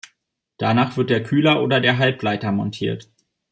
Danach wird der Kühler oder der Halbleiter montiert.